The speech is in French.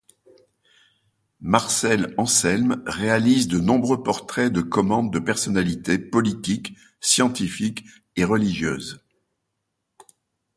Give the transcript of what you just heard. Marcel Anselme réalise de nombreux portraits de commande de personnalités politiques, scientifiques et religieuses.